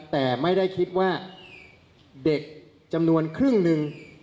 แต่ไม่ได้คิดว่าเด็กจำนวนครึ่งหนึ่ง